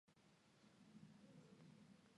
სოფლის ძველი სახელია მამალაძე.